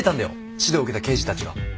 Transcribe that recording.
指導受けた刑事たちが。